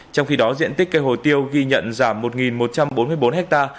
trong khi đó diện tích cây hồ tiêu ghi nhận giảm một một trăm bốn mươi bốn ha